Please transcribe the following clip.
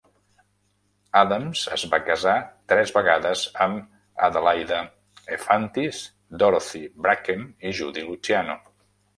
Adams es va casar tres vegades, amb Adelaide Efantis, Dorothy Bracken i Judy Luciano.